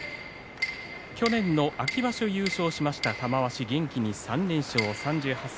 去年の秋場所、優勝しました玉鷲元気に３連勝、３８歳。